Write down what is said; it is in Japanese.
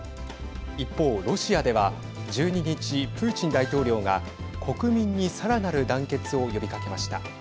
一方、ロシアでは１２日プーチン大統領が国民にさらなる団結を呼びかけました。